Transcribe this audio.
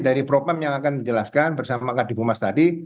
dari propam yang akan dijelaskan bersama kak dipu mas tadi